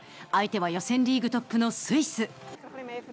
相手は予選リーグトップのスイス。